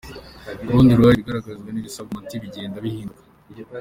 Ku rundi ruhande, ibiragurizwa n’ibisabirwa umuti bigenda bihinduka.